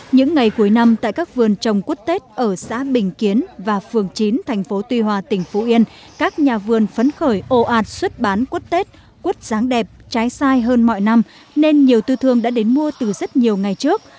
những ngày cuối năm tại các vườn trồng quất tết ở xã bình kiến và phường chín thành phố tuy hòa tỉnh phú yên các nhà vườn phấn khởi ồ ạt xuất bán quất tết quất dáng đẹp trái sai hơn mọi năm nên nhiều tư thương đã đến mua từ rất nhiều ngày trước